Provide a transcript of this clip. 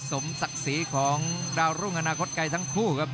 สมศักดิ์ศรีของดาวรุ่งอนาคตไกลทั้งคู่ครับ